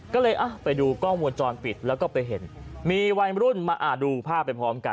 ก็เลยไปดูกล้องวงจรปิดแล้วก็ไปเห็นมีวัยรุ่นมาอ่าดูภาพไปพร้อมกัน